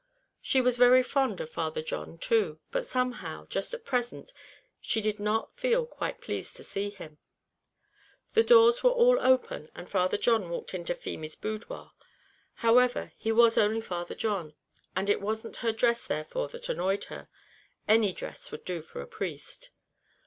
She was very fond of Father John too, but somehow, just at present she did not feel quite pleased to see him. The doors were all open, and Father John walked into Feemy's boudoir. However, he was only Father John, and it wasn't her dress therefore that annoyed her; any dress would do for a priest.